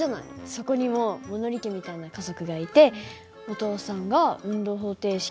そこにも物理家みたいな家族がいてお父さんが運動方程式の説明をしてたりして。